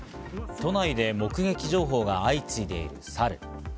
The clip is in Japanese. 都内で目撃情報が相次いでいるサル。